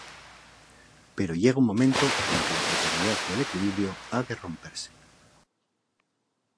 Pero llega un momento en que la precariedad del equilibrio ha de romperse.